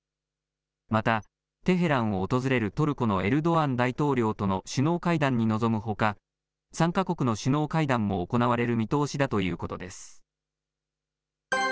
また、テヘランを訪れるトルコのエルドアン大統領との首脳会談に臨むほか、３か国の首脳会談も行われる見通しだということです。